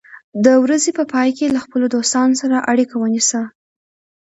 د ورځې په پای کې له خپلو دوستانو سره اړیکه ونیسه.